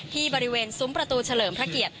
ที่บริเวณซุ้มประตูเฉลิมพระเกียรติ